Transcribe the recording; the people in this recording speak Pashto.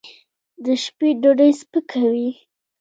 د شپې ډوډۍ سپکه وي.